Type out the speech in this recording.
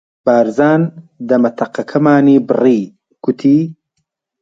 بارزان دەمەتەقەکەمانی بڕی، گوتی: